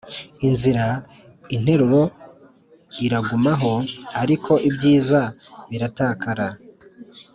inzira, interuro iragumaho, -ariko ibyiza biratakara.